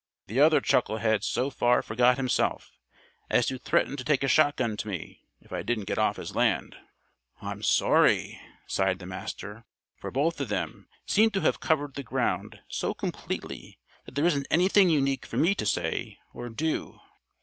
The other chucklehead so far forgot himself as to threaten to take a shotgun to me if I didn't get off his land." "I'm sorry!" sighed the Master. "For both of them seem to have covered the ground so completely that there isn't anything unique for me to say or do.